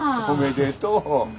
おめでとう。